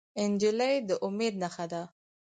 نجلۍ د امید نښه ده.